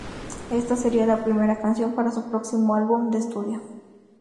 Esta sería la primera canción para su próximo álbum de estudio.